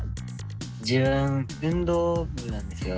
自分運動部なんですよ。